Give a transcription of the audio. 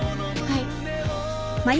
はい。